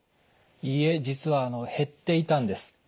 いいえ実は減っていたんです。